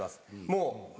もう。